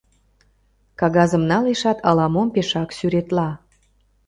Кагазым налешат, ала-мом пешак сӱретла.